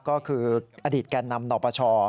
ก็คืออดีตแก่นำนปช